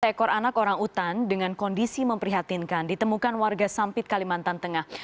seekor anak orang utan dengan kondisi memprihatinkan ditemukan warga sampit kalimantan tengah